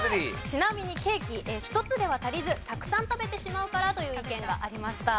ちなみにケーキ１つでは足りずたくさん食べてしまうからという意見がありました。